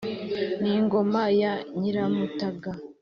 n'ingoma ya nyiramutaga,